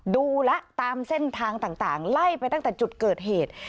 ดูแล้วตามเส้นทางต่างไล่ไปตั้งแต่จุดเกิดเหตุ